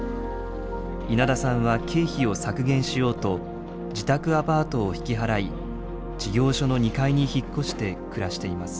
稲田さんは経費を削減しようと自宅アパートを引き払い事業所の２階に引っ越して暮らしています。